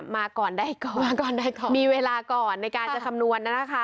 มาก่อนได้ก่อนมาก่อนได้ก่อนมีเวลาก่อนในการจะคำนวณนะคะ